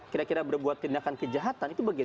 kira kira berbuat tindakan kejahatan itu bagian